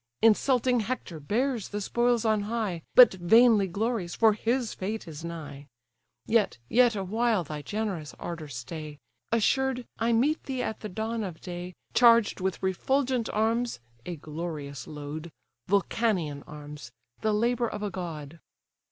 Insulting Hector bears the spoils on high, But vainly glories, for his fate is nigh. Yet, yet awhile thy generous ardour stay; Assured, I meet thee at the dawn of day, Charged with refulgent arms (a glorious load), Vulcanian arms, the labour of a god."